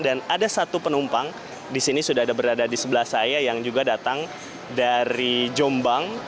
dan ada satu penumpang disini sudah berada di sebelah saya yang juga datang dari jombang